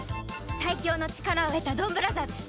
最強の力を得たドンブラザーズ